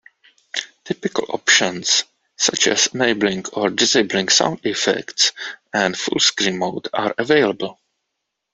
Typical options, such as enabling or disabling sound effects and full-screen mode are available.